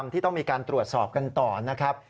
ที่ต้องมีการตรวจสอบกันต่อนะครับ